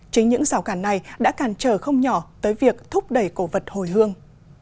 chính những rào cản này đã càn trở không nhỏ tới việc thúc đẩy cổ vật hồi hương